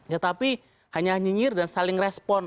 tetapi hanya nyinyir dan saling respon